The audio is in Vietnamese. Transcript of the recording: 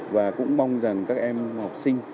và cũng mong rằng các em học sinh